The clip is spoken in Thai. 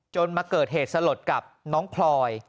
มาเกิดเหตุสลดกับน้องพลอย